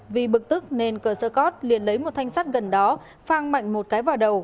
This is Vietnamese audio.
vì bực tức nên cờ sơ cót liền lấy một thanh sắt gần đó phang mạnh một cái vào đầu